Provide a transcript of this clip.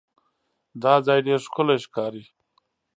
دا ځای ډېر ښکلی ښکاري.